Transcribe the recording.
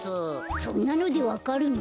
そんなのでわかるの？